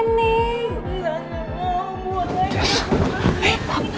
nanti buang buang buang